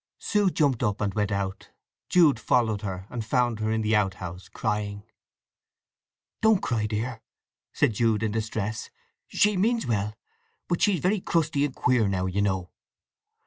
Sue jumped up and went out. Jude followed her, and found her in the outhouse, crying. "Don't cry, dear!" said Jude in distress. "She means well, but is very crusty and queer now, you know."